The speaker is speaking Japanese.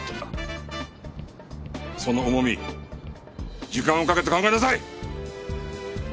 その重み時間をかけて考えなさい！